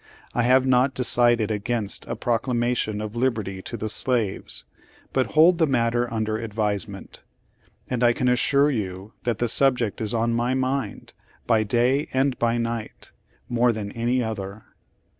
I have not decided against a proclamation of lib erty to the slaves, but hold the matter under advisement. And I can assure you that the subject is on my mind, by day and by night, more than any other.